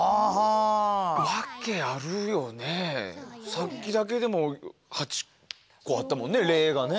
さっきだけでも８個あったもんね例がね。